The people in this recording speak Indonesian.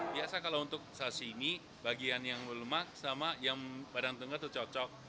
biasa kalau untuk sashimi bagian yang lemak sama yang badan tengah itu cocok